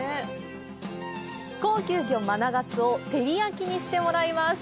高級魚・マナガツオを照り焼きにしてもらいます